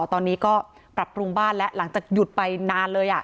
ตอนนี้ก็ปรับปรุงบ้านแล้วหลังจากหยุดไปนานเลย